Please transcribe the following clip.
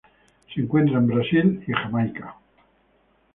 Se encuentra en Brasil y Jamaica.